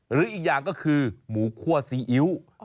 หรืออีกอย่างก็คือหมูคั่วซีอิ๊ว